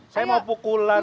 saya mau pukulan